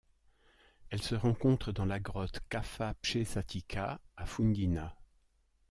Elle se rencontre dans la grotte Ćafa Pješatica à Fundina.